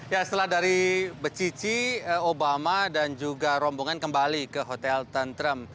ya setelah dari becici obama dan juga rombongan kembali ke hotel tentrem